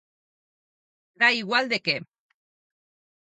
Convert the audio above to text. Dá igual de que.